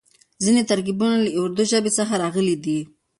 ځينې ترکيبونه له اردو ژبې څخه راغلي دي.